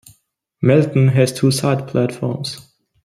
Melton has two side platforms.